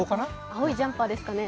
青いジャンパーですかね。